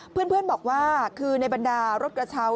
เพื่อนบอกว่าคือในบรรดารถกระเช้า